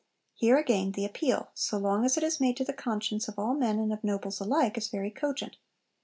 Here, again, the appeal, so long as it is made to the conscience of all men and of nobles alike, is very cogent.